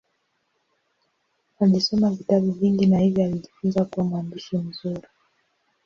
Alisoma vitabu vingi na hivyo alijifunza kuwa mwandishi mzuri.